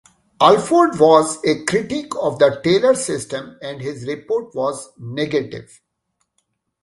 Alford was a critic of the Taylor system and his report was negative.